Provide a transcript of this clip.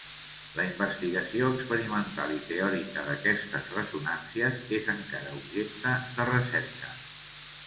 La investigació experimental i teòrica d'aquestes ressonàncies és encara objecte de recerca.